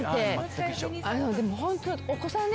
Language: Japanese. でもホント。